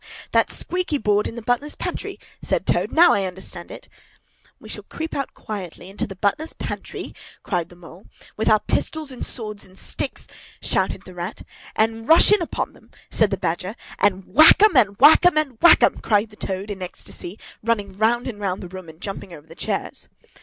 that squeaky board in the butler's pantry!" said Toad. "Now I understand it!" "We shall creep out quietly into the butler's pantry—" cried the Mole. "—with our pistols and swords and sticks—" shouted the Rat. "—and rush in upon them," said the Badger. "—and whack 'em, and whack 'em, and whack 'em!" cried the Toad in ecstasy, running round and round the room, and jumping over the chairs.